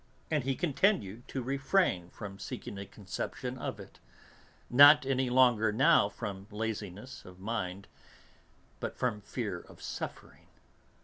And he continued to refrain from seeking a conception of it, not any longer now from laziness of mind, but from fear of suffering.